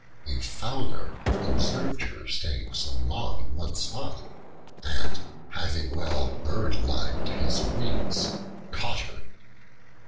A Fowler observed her staying so long in one spot, and having well bird limed his reeds, caught her.